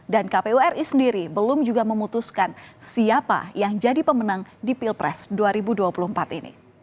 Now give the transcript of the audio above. dan kpwri sendiri belum juga memutuskan siapa yang jadi pemenang di pilpres dua ribu dua puluh empat ini